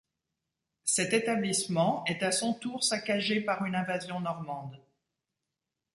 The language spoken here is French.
Cet établissement est à son tour saccagé par une invasion normande.